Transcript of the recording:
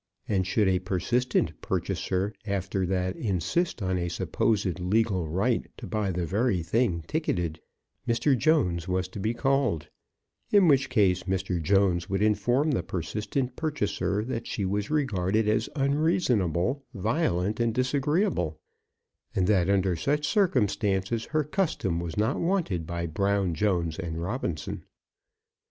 And should a persistent purchaser after that insist on a supposed legal right, to buy the very thing ticketed, Mr. Jones was to be called; in which case Mr. Jones would inform the persistent purchaser that she was regarded as unreasonable, violent, and disagreeable; and that, under such circumstances, her custom was not wanted by Brown, Jones, and Robinson.